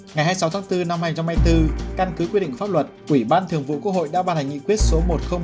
ngày hai mươi sáu tháng bốn năm hai nghìn hai mươi bốn căn cứ quyết định pháp luật quỹ ban thường vụ quốc hội đã bàn hành nghị quyết số một nghìn bốn mươi sáu